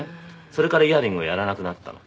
それからイヤリングはやらなくなったの。